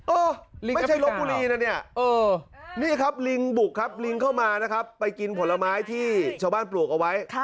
เออลิงไม่ใช่ลบบุรีนะเนี่ยนี่ครับลิงบุกครับลิงเข้ามานะครับไปกินผลไม้ที่ชาวบ้านปลูกเอาไว้